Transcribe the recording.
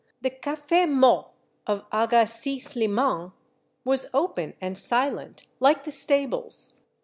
The caf^ maure of Aga Si Sliman was open and silent, like the stables.